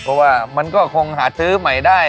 เพราะว่ามันก็คงหาซื้อใหม่ได้